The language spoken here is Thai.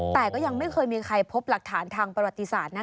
แต่ก็ยังไม่เคยมีใครพบหลักฐานทางประวัติศาสตร์